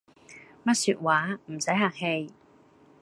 乜說話，唔洗客氣